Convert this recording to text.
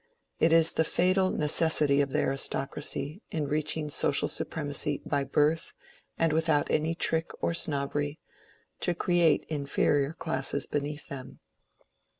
It is the fatal necessity of the aristocracy, in reaching social supremacy by birth and without any trick or snobbery, to create inferior classes be neath them.